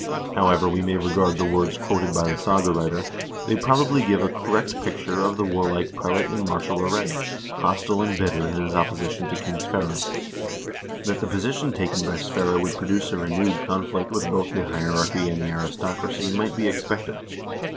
1 However we may regard the words quoted by the saga writer, they probably give a correct picture of the warlike prelate in martial array, hostile and bitter in his opposi tion to King Sverre. That the position taken by Sverre would produce a renewed con flict with both the hierarchy and the aristocracy might be expected.